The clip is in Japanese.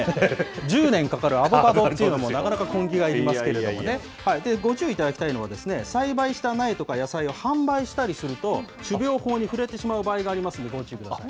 １０年かかるアボカドというのも、ご注意いただきたいのは、栽培した苗とか野菜を販売したりすると、種苗法に触れてしまう場合がありますので、ご注意ください。